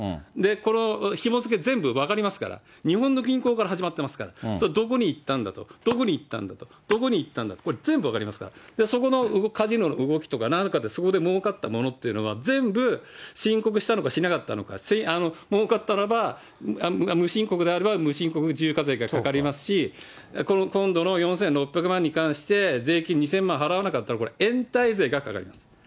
このひも付け、全部分かりますから、日本の銀行から始まってますから、それどこにいったんだと、どこにいったんだと、どこにいったんだと、これ、全部分かりますから、そこのカジノの動きとか何かで、そこでもうかったものっていうのは、全部申告したのかしなかったのか、もうかったらば、無申告であれば、無申告重課税がかかりますし、今度の４６００万に関して税金２０００万払わなかったら、これ、延滞税がかかります。